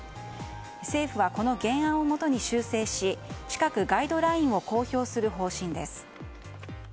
政府はこの原案をもとに修正し近く、ガイドラインを公表する方針です。